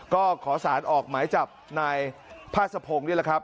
ก็ขอสารออกหมายจับในภาทสภงนี้เลยครับ